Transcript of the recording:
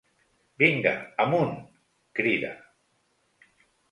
Vinga, amunt! —crida—.